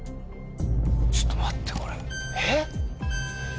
ちょっと待ってこれえっ？